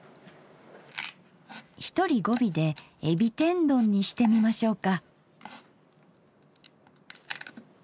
１人５尾でえび天どんにしてみましょうか。